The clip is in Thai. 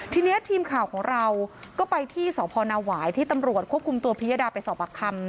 ทีนี้ทีมข่าวของเราก็ไปที่สพนหวายที่ตำรวจควบคุมตัวพิยดาไปสอบปากคำ